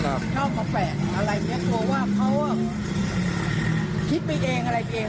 กลัวว่าเขาคิดไปเองอะไรไปเอง